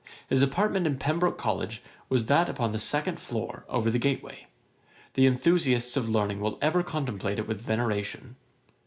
His apartment in Pembroke College was that upon the second floor, over the gateway. The enthusiasts of learning will ever contemplate it with veneration.